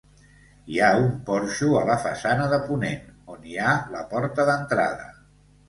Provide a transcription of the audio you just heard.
Hi ha un porxo a la façana de ponent, on hi ha la porta d'entrada.